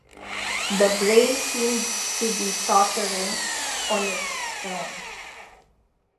The brain seemed to be tottering on its throne.